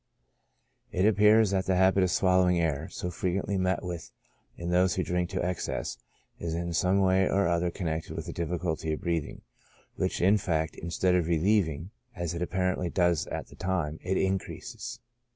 It appears that the habit of swallowing air, so fre quently met with in those who drink to excess, is in some way or other connected with the difficulty of breathing, which in fact, instead of relieving, as it apparently does at the time, it increases.